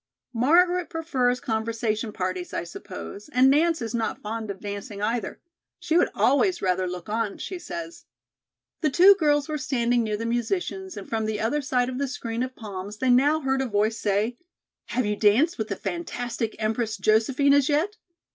"Margaret prefers conversation parties, I suppose, and Nance is not fond of dancing, either. She would always rather look on, she says." The two girls were standing near the musicians and from the other side of the screen of palms they now heard a voice say: "Have you danced with the fantastic Empress Josephine as yet?"